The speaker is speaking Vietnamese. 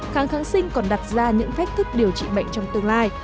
kháng kháng sinh còn đặt ra những phách thức điều trị bệnh trong tương lai